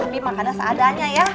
tapi makannya seadanya ya